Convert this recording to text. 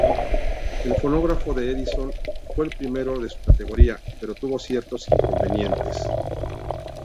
El fonógrafo de Edison fue el primero de su categoría, pero tuvo ciertos inconvenientes.